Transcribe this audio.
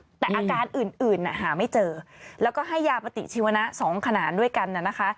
แต่อาการอื่นหาไม่เจอแล้วก็ให้ยาปฏิชีวนะ๒ขนาดด้วยกัน